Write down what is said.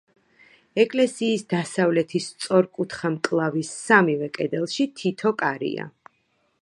ეკლესიის დასავლეთის სწორკუთხა მკლავის სამივე კედელში თითო კარია.